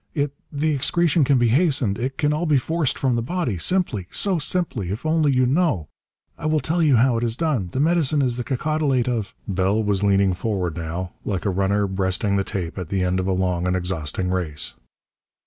It the excretion can be hastened! It can all be forced from the body! Simply! So simply! If only you know! I will tell you how it is done! The medicine is the cacodylate of " Bell was leaning forward, now, like a runner breasting the tape at the end of a long and exhausting race.